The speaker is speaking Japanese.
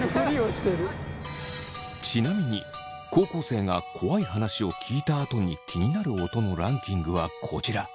ちなみに高校生が怖い話を聞いたあとに気になる音のランキングはこちら。